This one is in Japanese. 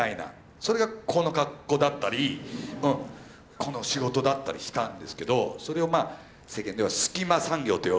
それがこの格好だったりうんこの仕事だったりしたんですけどそれをまあ世間では隙間産業と呼んでた。